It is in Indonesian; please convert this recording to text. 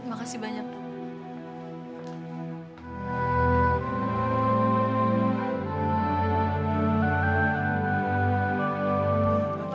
terima kasih banyak dok